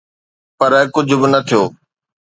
پر ڪجهه به نه ٿيو.